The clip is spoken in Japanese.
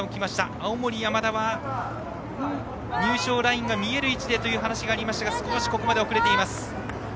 青森山田は入賞ラインが見える位置でという話がありましたが少しここまで遅れています。